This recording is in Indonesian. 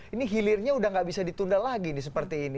ini hilirnya udah gak bisa ditunda lagi nih seperti ini